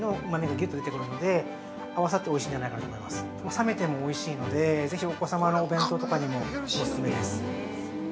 冷めてもおいしいのでぜひお子様のお弁当とかにもオススメです。